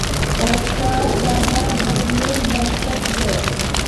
استاد د هر بدلون بنسټ دی.